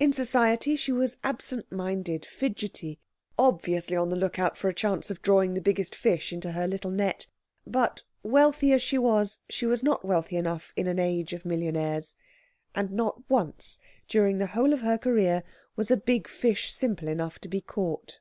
In society she was absent minded, fidgety, obviously on the look out for a chance of drawing the biggest fish into her little net; but, wealthy as she was, she was not wealthy enough in an age of millionnaires, and not once during the whole of her career was a big fish simple enough to be caught.